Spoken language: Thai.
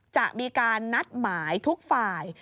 จะมีการนัดหมายทุกฝ่าย